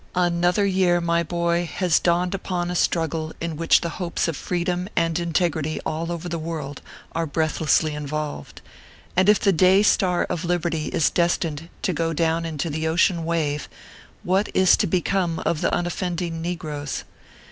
ANOTHER year, my boy, has dawned upon a struggle in which the hopes of freedom and integrity all over the world are breathlessly involved ; and if the day star of Liberty is destined to go down into the ocean wave, what is to become of the unoffending negroes